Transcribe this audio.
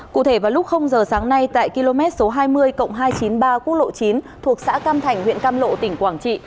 cụ thể vào lúc giờ sáng nay tại km số hai mươi hai trăm chín mươi ba quốc lộ chín thuộc xã cam thành huyện cam lộ tỉnh quảng trị